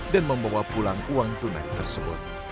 dan membawa pulang uang tunai tersebut